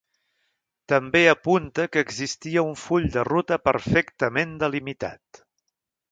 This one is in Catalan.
També apunta que existia un full de ruta perfectament delimitat.